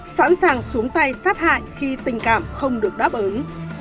sẵn sàng xuống tay sát hại khi tình cảm không được đáp ứng